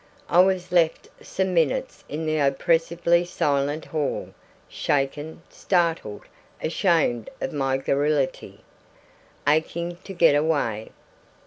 I was left some minutes in the oppressively silent hall, shaken, startled, ashamed of my garrulity, aching to get away.